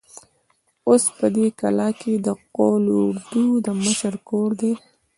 اوس په دې کلا کې د قول اردو د مشر کور دی.